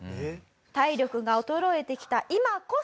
体力が衰えてきた今こそ！